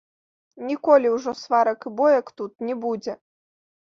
Ніколі ўжо сварак і боек тут не будзе.